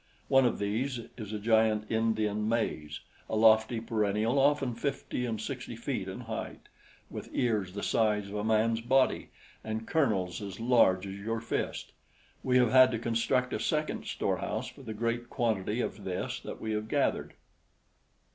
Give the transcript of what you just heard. One of these is a giant Indian maize a lofty perennial often fifty and sixty feet in height, with ears the size of a man's body and kernels as large as your fist. We have had to construct a second store house for the great quantity of this that we have gathered.